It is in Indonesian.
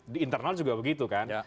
di internal juga begitu kan